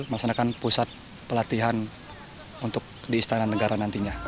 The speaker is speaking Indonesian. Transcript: melaksanakan pusat pelatihan untuk di istana negara nantinya